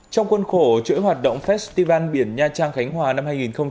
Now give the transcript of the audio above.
trong quân khổ chuỗi hoạt động festival biển nha trang khánh hòa năm hai nghìn một mươi tám